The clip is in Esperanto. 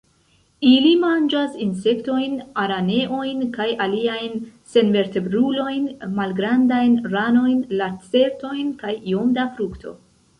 Ili manĝas insektojn, araneojn kaj aliajn senvertebrulojn, malgrandajn ranojn, lacertojn kaj iom da frukto.